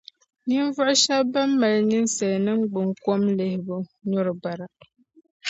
ninvuɣ’ shɛb’ bɛn mali ninsal’ niŋgbuŋkom lihibu nyuri bara.